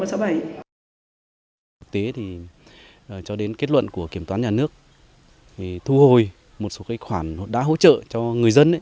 thực tế thì cho đến kết luận của kiểm toán nhà nước thì thu hồi một số cái khoản đã hỗ trợ cho người dân